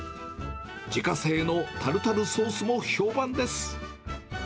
自家製のタルタルソースも評判です。